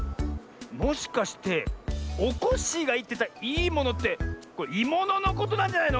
もしかしておこっしぃがいってた「いいもの」って「いもの」のことなんじゃないの？